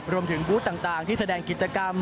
รวมถึงบุ๊ธต่างที่แสดงกิจกรรม